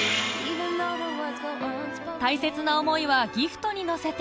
大切な思いはギフトに乗せて